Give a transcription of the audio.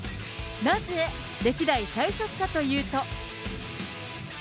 なぜ歴代最速かというと。